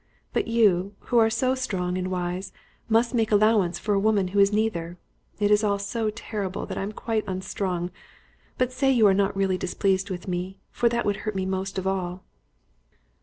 But you, who are so strong and wise, must make allowance for a woman who is neither. It is all so terrible that I am quite unstrung; but say you are not really displeased with me, for that would hurt me most of all."